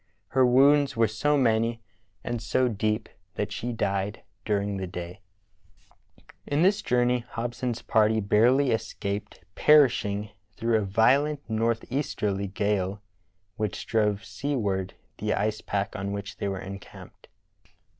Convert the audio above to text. Her vv^ounds were so many and so deep that she died during the day. In this journey Hobson's party barely escaped per Heroic Devotion of Lady Jane Franklin 177 Ishing through a violent northeasterly gale which drove seaward the ice pack on which they were encamped.